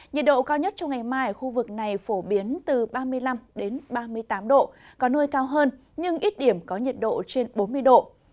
nhiệt độ cao nhất trong ngày mai ở khu vực này phổ biến từ ba mươi năm ba mươi tám độ có nơi cao hơn nhưng ít điểm có nhiệt độ trên bốn mươi độ